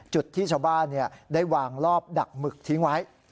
จุดที่ชาวบ้านได้วางรอบดักหมึกทิ้งไว้